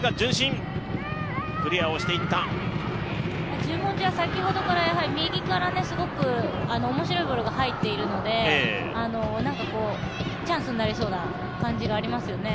十文字は先ほどから右から面白いボールが入っているので、チャンスになりそうな感じがありますよね。